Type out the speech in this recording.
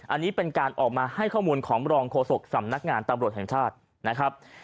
อันนี้เป็นการออกมาให้ข้อมูลของรองโฆษกสำนักงานตำรวจแห่งชาตินะครับ